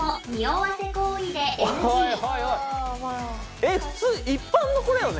えっ普通一般の子だよね？